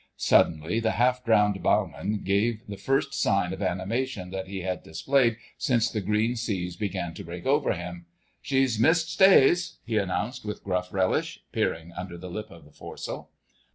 Suddenly, the half drowned bowman gave the first sign of animation that he had displayed since the green seas began to break over him. "She's missed stays," he announced with gruff relish, peering under the lip of the foresail.